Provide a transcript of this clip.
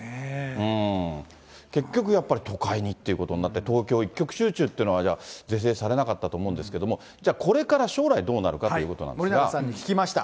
結局、やっぱり都会ということになって、東京一極集中というのはじゃあ、是正されなかったと思うんですけれども、じゃあ、これから将来ど森永さんに聞きました。